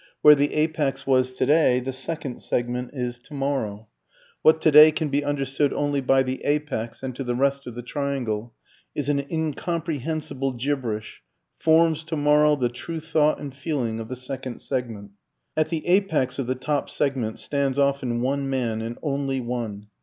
Where the apex was today the second segment is tomorrow; what today can be understood only by the apex and to the rest of the triangle is an incomprehensible gibberish, forms tomorrow the true thought and feeling of the second segment. At the apex of the top segment stands often one man, and only one.